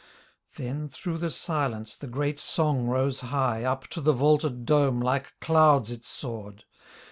Then through the silence the great song rose high Up to the vaulted dome like clouds it soared.